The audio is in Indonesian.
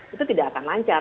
itu tidak akan lancar